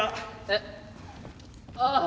えっ？ああ。